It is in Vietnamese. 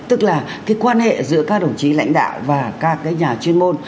tức là cái quan hệ giữa các đồng chí lãnh đạo và các cái nhà chuyên môn